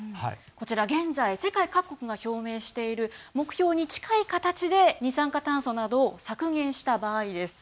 現在世界各国が表明している目標に近い形で二酸化炭素などを削減した場合です。